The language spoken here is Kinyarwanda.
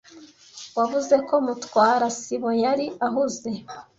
Wavuze ko Mutwara sibo yari ahuze.